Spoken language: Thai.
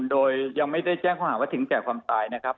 โดยยังไม่ได้แจ้งข้อหาว่าถึงแก่ความตายนะครับ